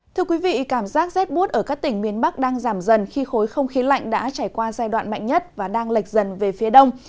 thưa quý vị cảm giác rét bút ở các tỉnh miền bắc đang giảm dần khi khối không khí lạnh đã trải qua giai đoạn mạnh nhất và đang lệch dần về phía đông